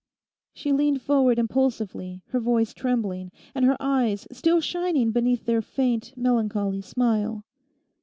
She leant forward impulsively, her voice trembling, and her eyes still shining beneath their faint, melancholy smile.